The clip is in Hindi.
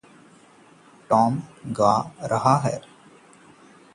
टॉम क्या गा रहा है?